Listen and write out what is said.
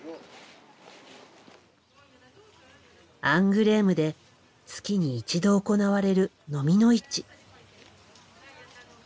アングレームで月に一度行われるのみの市。